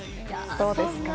どうですか？